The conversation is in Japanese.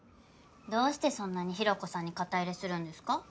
どうしてそんなにひろ子さんに肩入れするんですか。